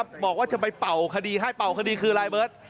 มาให้จะบอกว่าจะไปเป่าคดีให้เป่าคดีคืออะไรอ่ะเมิด